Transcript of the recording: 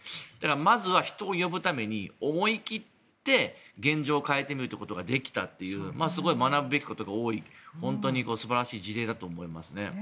まずは、人を呼ぶために思い切って現状を変えてみるということができたというすごい学ぶべきことが多い素晴らしい事例だと思います。